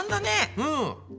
うん！